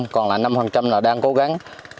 còn là năm đang cố gắng